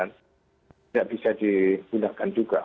nggak bisa digunakan juga